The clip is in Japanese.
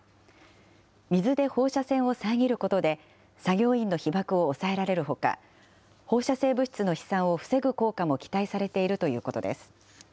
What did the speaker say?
水で放射線を遮ることで、作業員の被ばくを抑えられるほか、放射性物質の飛散を防ぐ効果も期待されているということです。